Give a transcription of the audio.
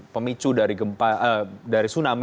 pemicu dari tsunami